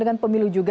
dengan pemilu juga